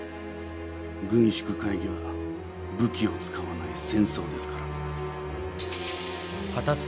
軍縮会議は武器を使わない戦争ですから。